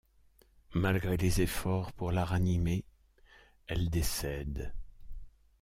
Malgré les efforts pour la ranimer, elle décède.